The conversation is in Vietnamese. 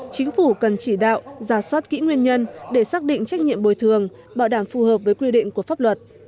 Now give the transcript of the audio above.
chính phủ cần chỉ đạo giả soát kỹ nguyên nhân để xác định trách nhiệm bồi thường bảo đảm phù hợp với quy định của pháp luật